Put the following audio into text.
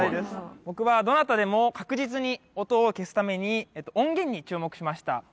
僕はどなたでも確実に音を消すために音源に注目しました。